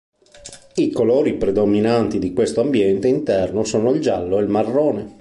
I colori predominanti di questo ambiente interno sono il giallo e il marrone.